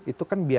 itu kan biasa